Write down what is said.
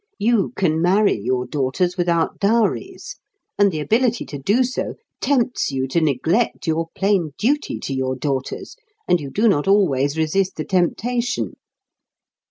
You can marry your daughters without dowries, and the ability to do so tempts you to neglect your plain duty to your daughters, and you do not always resist the temptation.